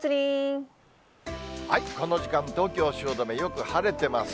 この時間、東京・汐留、よく晴れてます。